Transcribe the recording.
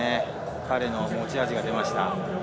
彼の持ち味が出ました。